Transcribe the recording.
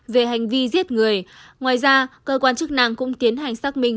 về hành vi giết người ngoài ra cơ quan chức năng cũng tiến hành xác minh